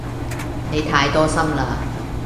你太多心啦